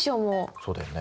そうだよね